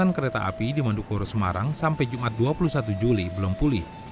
jalan kereta api di mandukuro semarang sampai jumat dua puluh satu juli belum pulih